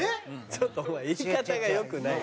ちょっと言い方が良くないよ。